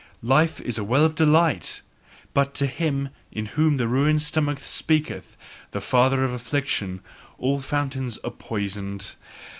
Life is a well of delight, but to him in whom the ruined stomach speaketh, the father of affliction, all fountains are poisoned.